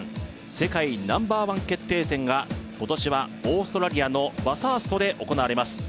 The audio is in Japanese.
世界ナンバーワン決定戦が今年はオーストラリアのバサーストで行われます